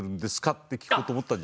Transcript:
って聞こうと思ったんじゃない？